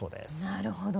なるほど。